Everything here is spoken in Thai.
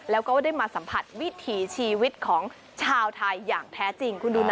แล้วก็ได้มาสัมผัสวิถีชีวิตของชาวไทยอย่างแท้จริงคุณดูนะ